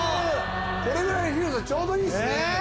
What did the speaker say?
これぐらいの広さちょうどいいですね。